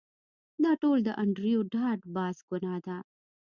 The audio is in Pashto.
دا ټول د انډریو ډاټ باس ګناه ده